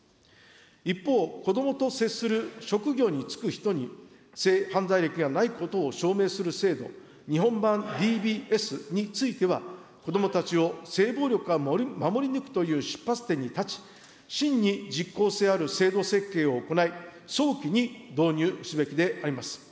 一方、子どもと接する職業に就く人に、性犯罪歴がないことを証明する制度、日本版ＤＢＳについては、子どもたちを性暴力から守り抜くという出発点に立ち、真に実効性ある制度設計を行い、早期に導入すべきであります。